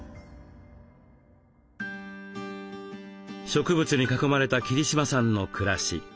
植物に囲まれた桐島さんの暮らし。